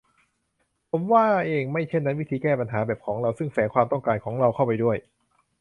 ผมว่าเอง : ไม่เช่นนั้น 'วิธีแก้ปัญหาแบบของเรา-ซึ่งแฝงความต้องการของเราเข้าไปด้วย